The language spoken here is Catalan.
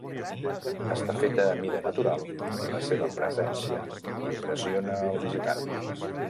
Està feta a mida natural i la seva presència impressiona al visitant.